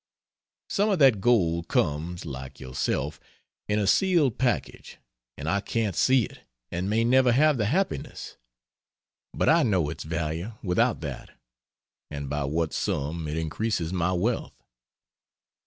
Some of that gold comes, like yourself, in a sealed package, and I can't see it and may never have the happiness; but I know its value without that, and by what sum it increases my wealth.